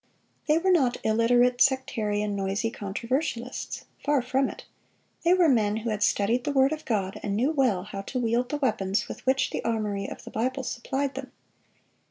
They were not illiterate, sectarian, noisy controversialists—far from it; they were men who had studied the word of God, and knew well how to wield the weapons with which the armory of the Bible supplied them.